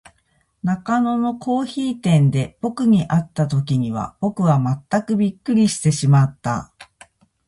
中野のコオヒイ店で、ぼくに会った時には、ぼくはまったくびっくりしてしまった。